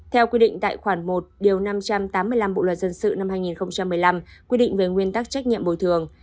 theo quy định tại khoản một năm trăm tám mươi năm bộ luật dân sự năm hai nghìn một mươi năm quy định về nguyên tắc trách nhiệm bồi thường